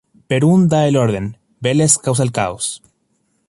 Perún da el orden, Veles causa el caos.